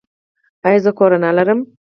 ایا زه کرونا لرم؟